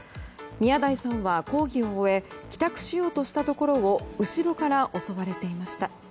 宮台さんは講義を終え帰宅しようとしたところを後ろから襲われていました。